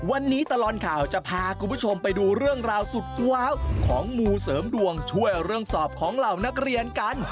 วันนี้ตลอดข่าวจะพาคุณผู้ชมไปดูเรื่องราวสุดว้าวของมูเสริมดวงช่วยเรื่องสอบของเหล่านักเรียนกัน